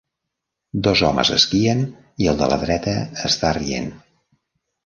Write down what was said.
Dos homes esquien i el de la dreta està rient.